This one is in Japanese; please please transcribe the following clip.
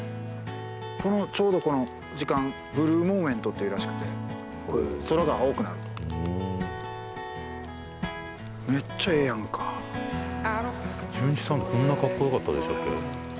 このちょうどこの時間ブルーモーメントっていうらしくてめっちゃええやんかじゅんいちさんこんなカッコよかったでしたっけ